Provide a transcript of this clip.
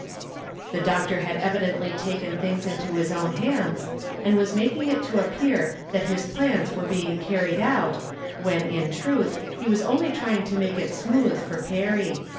The doctor had evidently taken things into his own hands, and was making it to appear that his plans were being carried out, when, in truth, he was only trying to make it smooth for Perry.